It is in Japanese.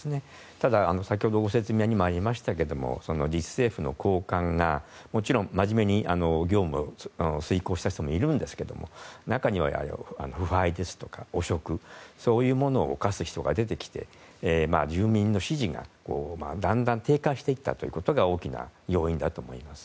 ただ、先ほどのご説明にもありましたけど自治政府の高官がもちろん真面目に業務を遂行した人もいるんですけども中には、腐敗ですとか汚職そういうものを犯す人が出てきて住民の支持がだんだん低下していったことが大きな要因だと思います。